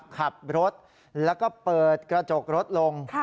ขับรถแล้วก็เปิดกระจกรถลง